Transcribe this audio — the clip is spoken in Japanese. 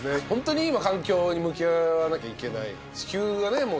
ホントに今環境に向き合わなきゃいけない地球がね